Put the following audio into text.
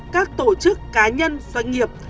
các tổ chức cá nhân doanh nghiệp